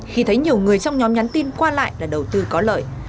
khi thấy nhiều người trong nhóm nhắn tin qua lại là đầu tư có lợi